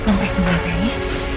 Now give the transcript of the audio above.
kompres dulu ya sayang ya